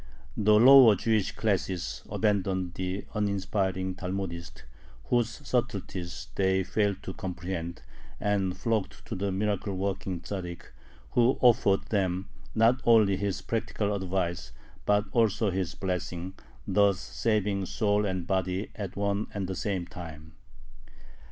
The lower Jewish classes abandoned the uninspiring Talmudist, whose subtleties they failed to comprehend, and flocked to the miracle working Tzaddik, who offered them, not only his practical advice, but also his blessing, thus saving soul and body at one and the same time.